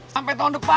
sampe tahun depan